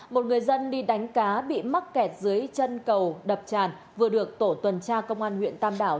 một người dân đi đánh cá bị mắc kẹt dưới chân cầu đập tràn vừa được tổ tuần tra công an huyện tam đảo